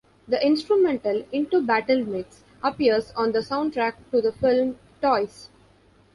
The instrumental "Into Battle Mix" appears on the soundtrack to the film "Toys.